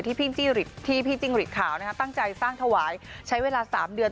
ที่พี่จี้หริดที่พี่จิงหริดขาวนะคะตั้งใจสร้างถวายใช้เวลาสามเดือน